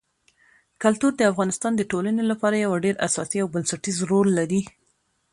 کلتور د افغانستان د ټولنې لپاره یو ډېر اساسي او بنسټيز رول لري.